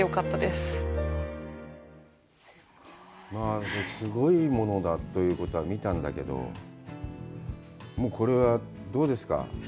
すごいものだということは見たんだけどもうこれはどうですか。